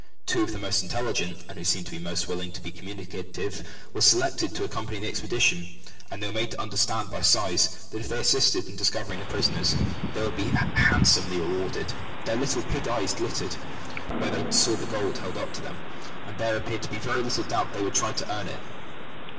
Two of the most intelligent, and who seemed most willing to be communicative, were selected to accompany the expedition, and they were made to understand by signs that if they assisted in discovering the prisoners, they should be handsomely rewarded. Their little pig eyes glittered when they saw the gold held out to them, and there appeared to be little doubt that they would try to earn it.